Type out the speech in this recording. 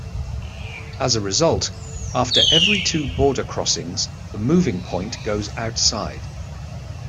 As a result, after every two "border crossings" the moving point goes outside.